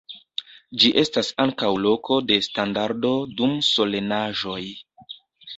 Ĝi estas ankaŭ loko de standardo dum solenaĵoj.